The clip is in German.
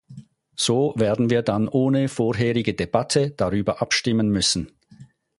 So werden wir dann ohne vorherige Debatte darüber abstimmen müssen.